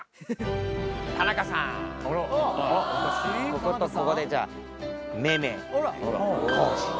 こことここでじゃあめめ康二